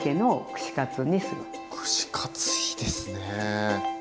串カツいいですね。